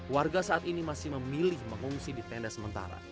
warga saat ini masih memilih mengungsi di tenda sementara